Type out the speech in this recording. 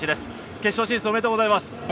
決勝進出おめでとうございます。